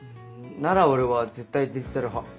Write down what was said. なら俺は絶対デジタル派。